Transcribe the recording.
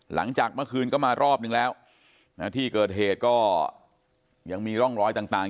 หลังจากเมื่อคืนก็มารอบนึงแล้วนะที่เกิดเหตุก็ยังมีร่องรอยต่าง